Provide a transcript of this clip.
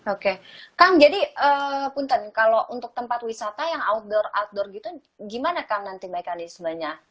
oke kang jadi punten kalau untuk tempat wisata yang outdoor outdoor gitu gimana kang nanti mekanismenya